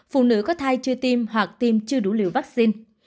phụ nữ có thai chưa tiêm hoặc tiêm chưa đủ liều vaccine